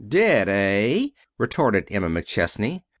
"Did, eh?" retorted Emma McChesney.